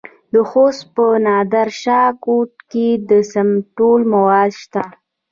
د خوست په نادر شاه کوټ کې د سمنټو مواد شته.